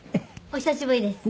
お久しぶりです。